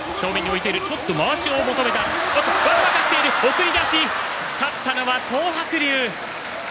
送り出し、勝ったのは東白龍。